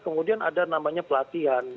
kemudian ada namanya pelatihan